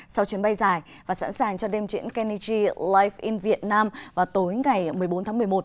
sau chuyến bay dài và sẵn sàng cho đêm triển kennedy life in vietnam vào tối ngày một mươi bốn tháng một mươi một